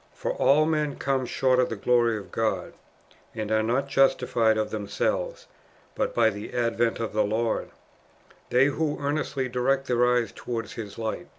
For '' all men come short of the glory of God," ^ and are not justified of themselves, but by the advent of the Lord, — they who earnestly direct their eyes towards His light.